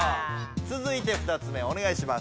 続いて２つ目おねがいします。